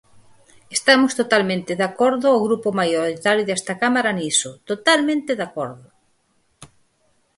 Estamos totalmente de acordo o grupo maioritario desta Cámara niso, totalmente de acordo.